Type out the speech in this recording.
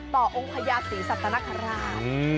ต่อองค์พยาศิสัตว์นักฆราช